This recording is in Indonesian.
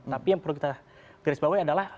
tapi yang perlu kita garis bawah adalah